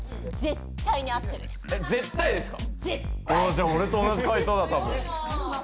じゃあ俺と同じ解答だたぶん。